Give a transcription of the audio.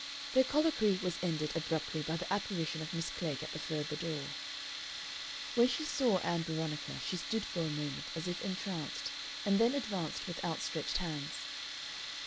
Their colloquy was ended abruptly by the apparition of Miss Klegg at the further door. When she saw Ann Veronica she stood for a moment as if entranced, and then advanced with outstretched hands.